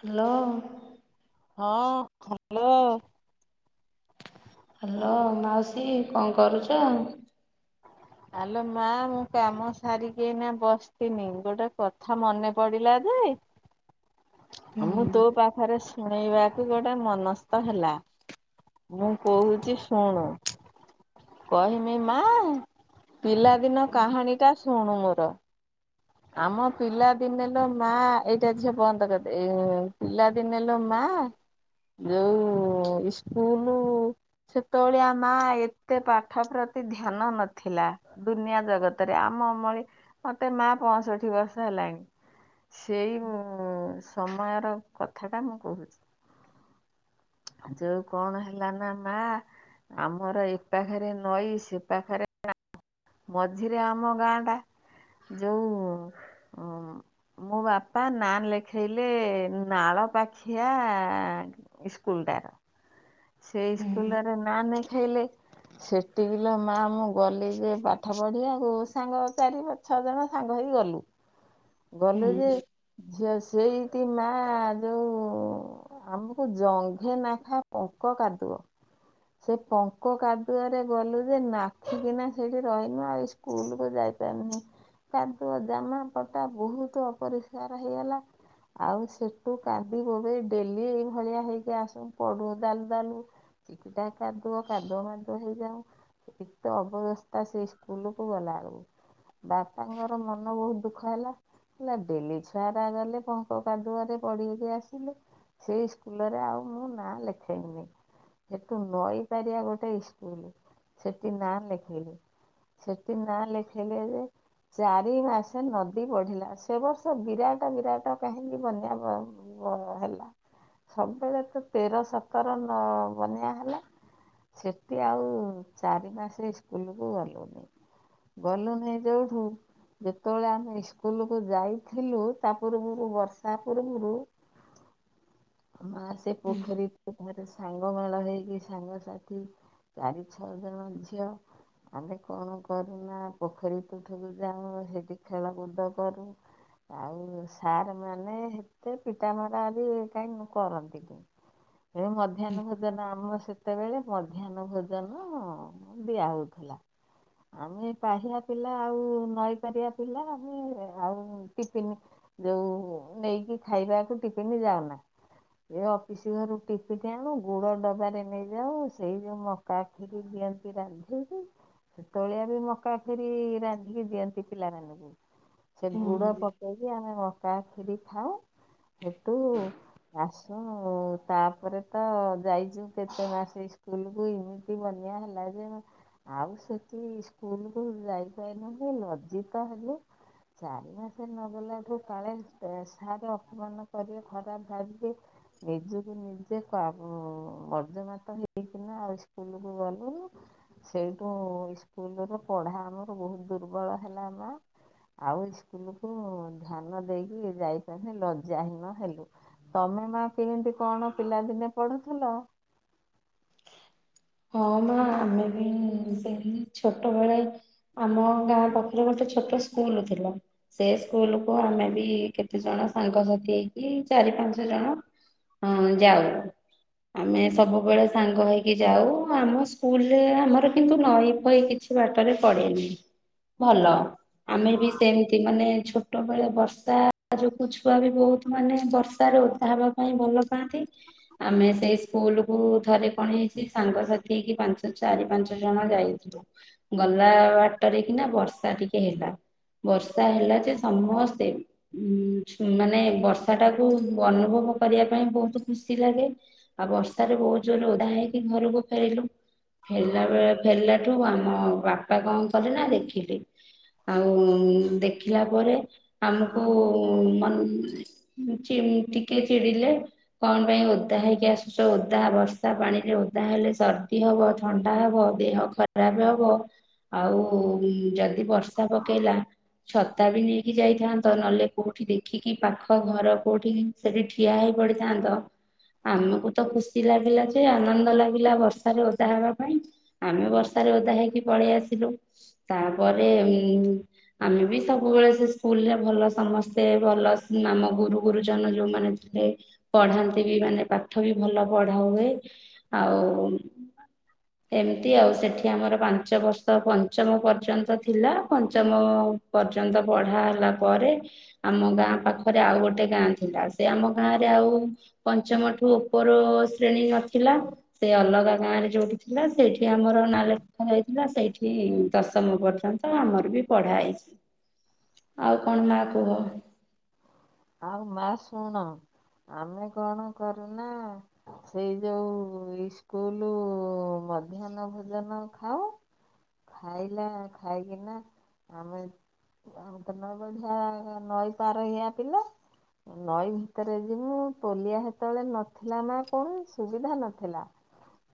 Hello. ହଁ hello. Hello ମାଉସୀ କଣ କରୁଚ? ଆଲୋ ମା ମୁଁ କାମ ସାରିକି ନା ବସିଥନି, ଗୋଟେ କଥା ମନେ ପଡ଼ିଲା ଯେ ହୁଁ ଆଉ ମୁଁ ତୋ ପାଖରେ ଶୁଣେଇବାକୁ ଗୋଟେ ମନସ୍ଥ ହେଲା, ମୁଁ କହୁଛି ଶୁଣୁ। କହମି ମା ପିଲାଦିନ କାହାଣୀଟା ଶୁଣୁ ମୋର। ଆମ ପିଲା ଦିନେ ଲୋ ମା, ଏଇଟା ଝିଅ ବନ୍ଦ କରିଦେ ପିଲା ଦିନେ ଲୋ ମା ଯୋଉ ଇସ୍କୁଲ ସେତେବେଳିଆ ମା ଏତେ ପାଠ ପ୍ରତି ଧ୍ୟାନ ନଥିଲା। ଦୁନିଆ ଜଗତରେ ଆମ ଅମଳେ, ମତେ ମା ପଞ୍ଚଷଠି ବର୍ଷ ହେଲାଣି, ସେଇ ଉଁ ସମୟର କଥାଟା ମୁଁ କହୁଛି ଯୋଉ କଣ ହେଲା ନା ମା ଆମର ଏ ପାଖରେ ନଈ, ସେ ପାଖରେ [unintelligible] ମଝିରେ ଆମ ଗାଁଟା, ଯୋଉ ମୋ ବାପା ନାଁ ଲେଖେଇଲେ ନାଳ ପାଖିଆ ଇସ୍ ସ୍କୁଲଟାର, ସେ ହୁଁ ସ୍କୁଲଟାରେ ନା ନେଖେଇଲେ। ସେଠିକି ଲୋ ମା ମୁଁ ଗଲି ଯେ ପାଠ ପଢିବାକୁ, ସାଙ୍ଗ ଚାରି ଛଅ ଜଣ ସାଙ୍ଗ ହେଇକି ଗଲୁ। ହୁଁ ଗଲେୁ ଯେ ହୁଁ ଝିଅ ସେଇଠି ମା, ଯୋଉ ଆମକୁ ଜଙ୍ଘେ ନେଖା ପଙ୍କ କାଦୁଅ। ସେ ପଙ୍କ କାଦୁଆରେ ଗଲୁ ଯେ ନାଖିକିନା ସେଠି ରହିନୁ ଆଇ ସ୍କୁଲ କୁ ଯାଇପାଇନି ନେଇଁ। କାଦୁଅ ଜାମା ପଟା ବହୁତ ଅପରିଷ୍କାର ହେଇଗଲା। ଆଉ ସେଠୁ କାନ୍ଦି ବୋବେଇ ଡେଲି ଏଇଭଳିଆ ହେଇକି ଆସୁ ପଡୁ ଦାଲୁ ଦାଲୁ ଚିକିଟା କାଦୁଅ କାଦୁଅ ମାଦୁଅ ହେଇଯାଉ ଏତେ ଅବବସ୍ଥା ସେଇ ସ୍କୁଲକୁ ଗଲାବେଳକୁ। ବାପାଙ୍କର ମନ ବହୁତ ଦୁଃଖ ହେଲା। କଇଲା ଡେଲି ଛୁଆରା ଗଲେ ପଙ୍କ କାଦୁଆରେ ପଡି ଉଠିକି ଆସିଲେ। ସେଇ ସ୍କୁଲରେ ଆଉ ମୁଁ ନାଁ ଲେଖି ଇମିନେଇ ହେଟୁ ନଈପାରିଆ ଗୋଟେ ଇସ୍କୁଲ ସେଠି ନାଁ ଲେଖେଇଲି ସେଠି ନାଁ ଲେଖେଇଲେ ଯେ ଚାରି ମାସେ ନଦୀ ବଢିଲା ସେ ବର୍ଷ ବିରାଟ ବିରାଟ କାହିଁକି ବନ୍ୟା ବ ହେଲା ସବୁବେଳେ ତ ତେର ସତର ନ ବନ୍ୟା ହେଲା। ସେଠି ଆଉ ଚାରି ମାସେ ଇସ୍କୁଲକୁ ଗଲୁନି। ଗଲୁନେଇ ଯୋଉଠୁ ଯେତେବେଳେ ଆମେ ଇସ୍କୁଲକୁୁ ଯାଇଥିଲୁ ତା ପୂର୍ବରୁ ବର୍ଷା ପୂର୍ବରୁ ମା ସେ ପୋଖରୀ ସେଠାରେ ସାଙ୍ଗ ମେଳ ହେଇକି ସାଙ୍ଗସାଥି ଚାରି ଛଅ ଜଣ ଝିଅ ଆମେ କଣ କରୁନା ପୋଖରୀ ତୁଠକୁ ଯାଉ ସେଠି ଖେଳକୁଦ କରୁ। ଆଉ ସାର୍ ମାନେ ହେତେ ପିଟାମରା ବି କାହିଁ କରନ୍ତିନି। ଏ ମଧ୍ୟାହ୍ନ ଭୋଜନ ଆମ ସେ ସେତେବେଳେ ମଧ୍ୟାହ୍ନ ଭୋଜନ ଦିଆହଉଥିଲା। ଆମେ ପାହିଆ ପିଲା ଆଉ ନଈପାରିବା ପିଲା ଆମେ ଆଉଟିପିନ ଯୋଉ ନେଇକି ଖାଇବାକୁ ଟିଫିନ ଯାଉନା ଏ ଅଫିସ ଘରୁ ଟିପିନି ଆଣୁ ଗୁଡ ଡବାରେ ନେଇଯାଉ ସେଇ ଯୋଉ ମକା ଖିରି ଦିଅନ୍ତି ରାନ୍ଧିକି ସେତଳିଆ ବି ମକା ଖିରି ରାନ୍ଧିକି ଦିଅନ୍ତି ପିଲାମାନଙ୍କୁ। ସେ ହୁଁ। ଗୁଡ ପକେଇକି ଆମେ ମକା ଖିରି ଖାଁଉ ହେଟୁ ଆସୁ ତାପରେ ତ ଯାଇଛୁ କେତେ ମାସେ ଇସ୍କୁଲକୁୁ ଏମିତି ବନ୍ୟା ହେଲା ଯେ ଆଉ ସେଠି ସ୍କୁଲକୁ ଯାଇପାରିଲୁନେଇ ଲଜିତ ହେଲୁ। ଚାରି ମାସ ନଗଲାଠୁ କାଳେ ସାର ଅପମାନ କରିବେ ଖରାପ ଭାବିବେ ନିଜକୁ ନିଜେ ବର୍ଜମାତ ହେଇକିନା ଆଉ ସ୍କୁଲକୁ ଗଲୁନୁ। ସେଇଠୁ ସ୍କୁଲ ର ପଢା ଆମର ବହୁତ ଦୁର୍ବଳ ହେଲା ମା। ଆଉ ସ୍କୁଲ କୁ ଧ୍ୟାନ ଦେଇକି ଯାଇପାରିନି, ଲଜ୍ଜା ହୀନ ହେଲୁ। ତମେ ମା କେମିତି କଣ ପିଲା ଦିନେ ପଢୁଥିଲ? ହଁ ମା ଆମେ ବି ସେମିତି ଛୋଟବେଳେ ଆମ ଗାଁ ପାଖରେ ଗୋଟେ ଛୋଟ ସ୍କୁଲ ଥିଲା, ସେ ସ୍କୁଲ କୁ ଆମେ ବି କେତେ ଜଣ ସାଙ୍ଗସାଥି ହେଇକି ଚାରି ପାଞ୍ଚ ଜଣ ଯାଉ। ଆମେ ସବୁବେଳେ ସାଙ୍ଗ ହେଇକି ଯାଉ। ଆମ ସ୍କୁଲରେ ଆମର କିନ୍ତୁ ନଈ ଫଇ କିଛି ବାଟରେ ପଡେନି। ଭଲ ଆମେ ବି ସେମିତି ମାନେ ଛୋ ଛୋଟବେଳେ ବର୍ଷା ଯୋଗୁଁ ଛୁଆ ବି ବହୁତ ମାନେ ବର୍ଷା ରେ ଓଦା ହେବା ପାଇଁ ଭଲ ପାଆନ୍ତି। ଆମେ ସେଇ ସ୍କୁଲ କୁ ଥରେ କଣ ହେଇଛି ସାଙ୍ଗସାଥି ଠିକ୍ ପାଞ୍ଚ ଚାରି ପାଞ୍ଚ ଜଣ ଯାଇଥିଲୁ। ଗଲା ବାଟରେ କି ନା ବର୍ଷା ଟିକେ ହେଲା। ବର୍ଷା ହେଲା ଯେ ସମସ୍ତେ ଉ ମାନେ ବର୍ଷା ଟାକୁ ଅନୁଭବ କରିବା ପାଇଁ ବହୁତ ଖୁସି ଲାଗେ। ଆଉ ବର୍ଷାରେ ବହୁତ ଜୋରରେ ଓଧା ହେଇକି ଘରକୁ ଫେରିଲୁ ଫେରିଲା ବେ ଫେରିଲାଠୁ ଆମ ବାପା କଣ କଲେ ନା ଦେଖିଲେ। ଆଉ ଦେଖିଲା ପରେ ଆମକୁ ମନ୍ ହୁଁ ଚି ମୁଁ ଟିକେ ଚିଡିଲେ କଣ ପାଇଁ ଓଦା ହେଇକି ଆସଚ। ଓଦା ବର୍ଷା ପାଣିରେ ଓଦା ହେଲେ ସର୍ଦି ହବ, ଥଣ୍ଡା ହବ, ଦେହ ଖରାପ ହବ, ଆଉ ଯଦି ଯଦି ବର୍ଷା ପକେଇଲା ଛତା ବି ନେଇକି ଯାଇଥାନ୍ତ। ନହେଲେ କୋଉଠି ଦେଖିକି ପାଖ ଘର କୋଉଠି ସେଠି ଠିଆ ହେଇ ପଡିଥାନ୍ତ। ଆମକୁ ତ ଖୁସି ଲାଗିଲା ଯେ ଆନନ୍ଦ ଲାଗିଲା ବର୍ଷ ବର୍ଷାରେ ଓଦା ହେବା ପାଇଁ ଆମେ ବର୍ଷାରେ ଓଦା ହେଇକି ପଳେଇ ଆସିଲୁ। ତାପରେ ଉଁ ଆମେ ବି ସବୁବେଳେ ସେ ସ୍କୁଲ ରେ ଭଲ ସମସ୍ତେ ଭଲ ଆମ ଗୁରୁ ଗୁରୁଜନ ଯୋଉମାନେ ରେ ପଢାନ୍ତି ବି ମାନେ ପାଠ ବି ଭଲ ପଢା ହୁଏ। ଆଉ ଏମିତି ଆଉ ସେଠି ଆମର ପାଞ୍ଚ ବର୍ଷ ପଞ୍ଚମ ପର୍ଯ୍ୟନ୍ତ ଥିଲା। ପଞ୍ଚମ ପର୍ଯ୍ୟନ୍ତ ପଢା ହେଲା ପରେ ଆମ ଗାଁ ପାଖରେ ଆଉ ଗୋଟେ ଗାଁ ଥିଲା। ସେ ଆମ ଗାଁ ରେ ଆଉ ପଞ୍ଚମଠୁ ଉପର ଶ୍ରେଣୀ ନଥିଲା। ସେ ଅଲଗା ଗାଁ ରେ ଯୋଉଠି ଥିଲା ସେଇଠି ଆମର ନାଲେଖା ଯାଇଥିଲା। ସେଇଠି ଦଶମ ପର୍ଯ୍ୟନ୍ତ ତ ଆମର ବି ପଢା ହେଇଚି। ଆଉ କଣ ମା କୁହ? ଆଉ ମା ଶୁଣ ଆମେ କଣ କରୁନା ସେଇ ଯୋଉ ଇସ୍କୁଲ ମଧ୍ୟାହ୍ନ ଭୋଜନ ଖାଉ। ଖାଇଲା ଖାଇକିନା ଆମେ ଆଉ ତ ନଈ ବଢିଆ ନଈ ପାର ଏଇଆ ପିଲା। ନଈ ଭିତରେ ଯିବୁ, ପୋଲିଆ ହେତୋବେଳେ ନଥିଲା ନା କଣ ସୁବିଧା ନଥିଲା।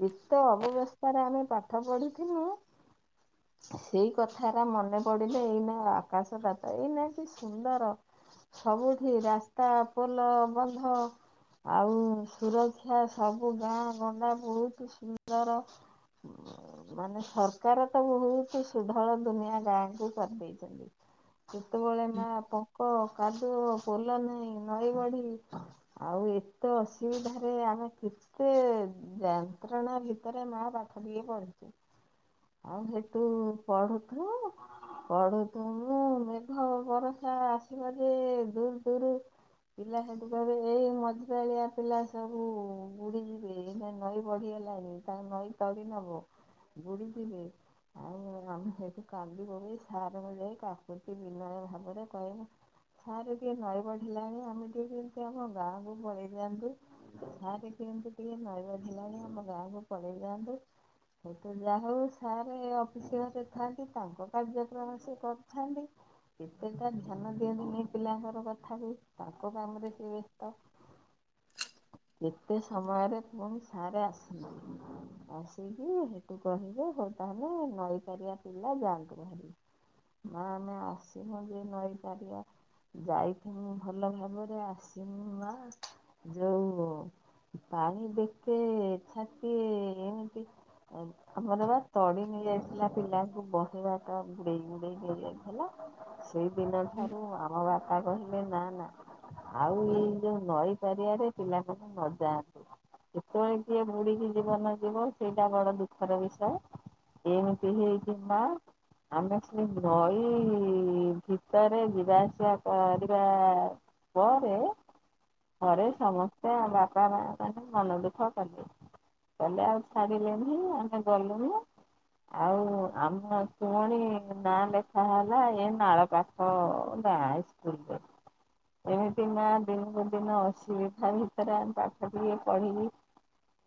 ବିତ ଅବବେସ୍ଥରେ ଆମେ ପାଠ ପଢ଼ିଥିନୁ। ସେଇ କଥାରା ମନେ ପଡିଲେ ଏଇ ନା ଆକାଶ ପାତା ଏଇନା କି ସୁନ୍ଦର। ସବୁଠି ରାସ୍ତା, ପୋଲ, ବନ୍ଧ ଆଉ ସୁରକ୍ଷା ସବୁ ଗାଁ ଗଣ୍ଡା ବୋହୁତ ସୁନ୍ଦର। ମାନେ ସରକାର ତ ବୋହୁତ ସୁଧଳ ଦୁନିଆ ଗାଁଙ୍କୁ କରିଦେଇଚନ୍ତି। ସେତେବେଳେ ମା ପଙ୍କ, କାଦୁଅ, ପୋଲ ନାହିଁ, ନଈ ବଢି ଆଉ ଏତେ ଅସୁବିଧା ରେ ଆମେ କିଛ କେତେ ଯାନ୍ତ୍ରଣା ଭିତରେ ମା ପାଠ ଟିକେ ପଢିଛୁ। ଆଉ ହେଠୁ ପଢୁଥା ପଢୁଥିମୁଁ ମେଘ ବରସା ଆସିବ ଯେ ଦୂରୁ ଦୂରୁ ପିଲା ହେଠୁ କହିବେ ଏଇ ମଝିପାଳିଆ ପିଲା ସବୁ ବୁଡି ଯିବେ। ଏଇନେ ନଈ ବଢିଗଲଣିି ହେଲାଣି ତା ନଈ ତଡି ନବ ବୁଡିଯିବେ। ଆଉ ଆମେ ସେଠି କାନ୍ଦି ବୋବେଇ ସାରକୁ ଯାଇ କାକୁତି ବିନୟ ଭାବରେ କହିବୁ। ସାର ଟିକେ ନଈ ବଢ଼ିଲାଣି ଆମେ ଟିକେ ଯେମିତି ଆମ ଗାଁକୁ ପଳେଇ ଯାଆନ୍ତୁ। ସାରେ କେମତି ଟିକେ ନଈ ବାଢିଲାଣି ଆମ ଗାଁକୁ ପଳେଇ ଯାଆନ୍ତୁ। ସେ ତ ଯା ହୋଉ ସାର୍ ଅଫିସ ଘରେ ଥାନ୍ତି ତାଙ୍କ କାର୍ଯ୍ୟକ୍ରମ ସେ କରିଥାନ୍ତି। କେତେଟା ଝ ଧ୍ୟାନ ଦିଅନ୍ତିନି ପିଲାଙ୍କ କଥାକୁ ତାଙ୍କ କାମରେ ସେ ବ୍ୟସ୍ତ। କେତେ ସମୟରେ ପୁଣି ସାରେ ଆସୁନା। [inaudible] ଆସିକି ସେଠୁ କହିବେ ହୋଉ ତାହେଲେ ନଈପାରିବା ପିଲା ଯାଆନ୍ତୁ ଭହାରିବି। ମା ନେ ଆସିନୁ ଯେ ନଈପାରିବା ଯାଇଥିନୁ ଭଲ ଭାବରେ ଆସିନୁ ମା ଯୋଉ ପାଣି ବେଖେ ଛାତିଏ ଏମିତି ଆମର ବା ତଡି ନେଇଯାଇଥିଲା ପିଲାଙ୍କୁ ବହେବାଟ ବୁଡେଇ ବୁଡେଇ ନେଇଯାଇ ଥିଲା। ସେଇ ଦିନ ଠାରୁ ଆମ ବାପ ତା କହିଲେ ନା ନା ଆଉ ଏଇ ଯୋଉ ନଈ ପାରିଆରେ ପିଲାମାନେ ନ ଯାଆନ୍ତୁ। କେତେବେଳେ କିଏ ବୁଡିକି ଜୀବନ ଯିବ ସେଇଟା ବଡ ଦୁଃଖର ବିଷୟ। ଏମିତି ହେଇଛି ନା ଆମେ ସେ ନଈ ଭିତରେ ଯିବା ଆସିବା କରିବା ପରେ ଘରେ ସମସ୍ତେ ଆ ବାପା ମା ମାନେ ମନ ଦୁଃଖ କଲେ। କଲେ ଆଉ ଛାଡିଲେନି ଆମେ ଗଲୁନି। ଆଉ ଆମ ଫୁଣି ନାଁ ଲେଖା ହେଲା ଏଇ ନାଳ ପାଖ ହଁ ଗାଁ ସ୍କୁଲ୍‌ରେ। ଏମିତି ମା ଦିନକୁ ଦିନ ଅସୁବିଧା ଭିତରେ ଆମେ ପାଠ ଟିକେ ପଢିକି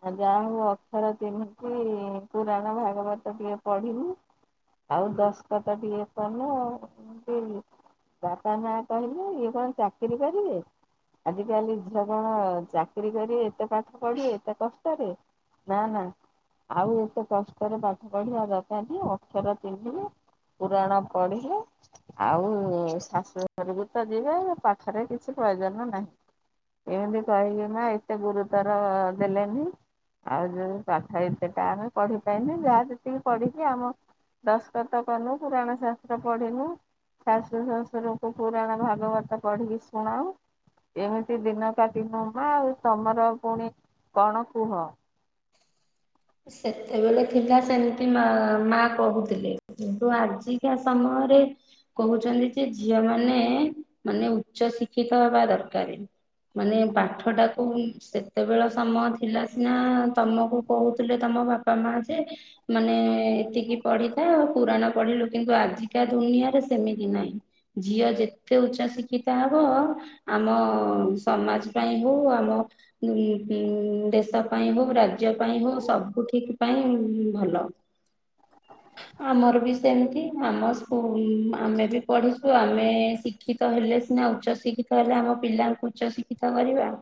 ଆଉ ଯାହା ଅକ୍ଷର ଛିହ୍ନିକି ପୁରାଣ ଭାଗବତ ଟିକେ ପଢିଲି। ଆଉ ଦସଖତ ଟିକେ କଲୁ ଆଉ [inaudible] ବାପା, ମା କହିଲେ ଇଏ କଣ ଚାକିରି କରିବେ? ଆଜି କାଲି ଝିଅ କଣ ଚାକିରୀ କରିବେ ଏତେ ପାଠ ପଢେ ଏତେ କଷ୍ଟରେ। ନା ନା ଆଉ ଏତେ କଷ୍ଟରେ ପାଠ ପଢିବା ଦରକାରା ନାହଁ ଅକ୍ଷର ଛିହ୍ନି‌ଲେ। ପୁରାଣ ପଢିଲେ ଆଉ ଶାଶୁଘରକୁ ତ ଯିବେ ପାଠରେ କିଛି ପ୍ରୟୋଜନ ନାହିଁ। ଏନ୍ତି କହି କିନା ଏତେ ଗୁରୁତ୍ୱର ଦେଲେନି। ଆଉ ଯେଉଁ ପାଠ ଅତେ ଟାଣେ ପଢ଼ିପାରିନି ଯାହା ଯେତିକି ପଢ଼ିଚି ଆମ ଦଶଖତ କଲୁ ପୁରାଣ ଶାସ୍ତ୍ର ପଢ଼ିଲୁ। ଶାଶୁ ଶାଶୁରଙ୍କୁ ପୁରାଣ ଭାଗବତ ପଢିକି ଶୁଣାଉ। ଏମିତି ଦିନ କାଟି ଦବା ଆଉ ତମର ପୁଣି କଣ କୁହ? ସେତେବେଳେ ଥିଲା ସେମିତି ମା କହୁଥିଲେ କିନ୍ତୁ ଆଜିକା ସମୟରେ। କହୁଛନ୍ତି ଯେ ଝିଅ ମାନେ ମାନେ ଉଚ୍ଚ ଶିକ୍ଷିତା ହବା ଦରକାର। ମାନେ ପାଠ ଟାକୁ ସେତେବେଳ ସମୟ ଥିଲା ସିନା ତମକୁ କହୁ ହେଲେ ତମ ବାପା ମା ଯେ ମାନେ ଏତିକି ପଢ଼ିଥା ପୁରୁଣା ପଢ଼ିଲୁ କିନ୍ତୁ ଆଜିକା ଦୁନିଆରେ ସେମିତି ନାହିଁ। ଝିଅ ଯେତେ ଉଚ୍ଚା ଶିକ୍ଷିତା ହବ ଆମ ସମାଜ ପାଇଁ ହଉ ଆମ ଉଁ ଉଁ ଦେଶ ପାଇଁ ହଉ ରାଜ୍ୟ ପାଇଁ ହଉ ସୁଠିକ ପାଇଁ ଭଲ। ହ [unintelligible] ଆମର ବି ସେମିତି ଆମ ସ୍କୁଲ ଆମେ ବି ପଢିଛୁ ଆମେ ସି ଶିକ୍ଷିତ ହେଲେ ସିନା ଉଚ୍ଚ ଶିକ୍ଷିତ ହେଲେ ସିନା ଆମ ପିଲାଙ୍କୁ ଉଚ୍ଚଶିକ୍ଷିତା କରିବା।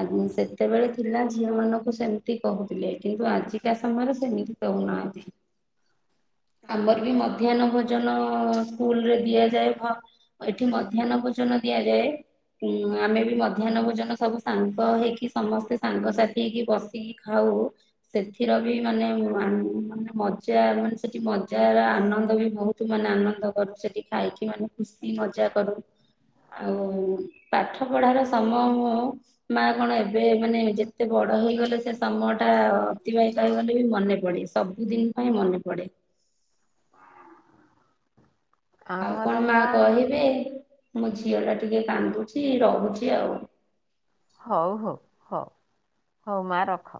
ଆଗୁ ସେତେବେଳେ ଥିଲା ଝିଅ ମାନଙ୍କୁ ସେମିତି କହୁ ଥିଲେ କିନ୍ତୁ ଆଜିକା ସମୟରେ ସେମିତି କହୁନାହାନ୍ତି। ଆମର ବି ମଧ୍ୟାନ ଭୋଜନ ସ୍କୁଲରେ ଦିଆଯାଏ ଭ ଏଠି ମଧ୍ୟାନ ଭୋଜନ ଦିଆଯାଏ। ଉଁ ଆମେ ବି ମଧ୍ୟାନ ଭୋଜନ ସବୁ ସାଙ୍ଗ ହେଇକି ସମସ୍ତେ ସାଙ୍ଗସାଥି ହେଇକି ବସିକି ଖାଉ। ସେଥିରେ ବି ମାନେ ମାନେ ମଜା ମାନେ ସେଠି ମଜାର ଆନନ୍ଦ ବି ବହୁତ। ତୁ ମାନେ ଆନନ୍ଦ କରୁ ସେଠି ଖାଇକି ମାନେ ଖୁସି ମଜା କରୁ। ଆଉ ପାଠ ପଢ଼ାର ସମୟ ମୁଁ ମା କଣ ଏବେ ମାନେ ଯେତେ ବଡ ହେଇଗଲେ ସେ ସମୟ ଟା ଅତିବାହିତ ହେଇଗଲେ ବି ମନେ ପଡେ ସବୁଦିନ ପାଇଁ ମନେ ପଡେ। ଆଉ କଣ ମା କହିବି ମୋ ଝିଅ ଟା ଟିକେ କାନ୍ଦୁଛି ରହୁଛି ଆଉ। ହଉ ହଉ ହଉ ହଉ ମା ରଖ।